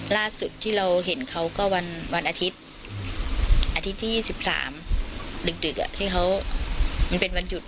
ล่าสุดที่เราเห็นเขาก็วันอาทิตย์อาทิตย์ที่๒๓ดึกที่เขามันเป็นวันหยุด